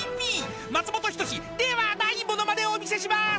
［松本人志ではないモノマネをお見せします！］